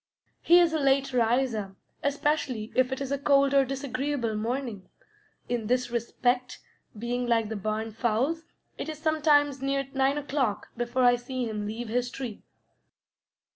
He is a late riser, especially if it is a cold or disagreeable morning, in this respect being like the barn fowls; it is sometimes near nine o'clock before I see him leave his tree.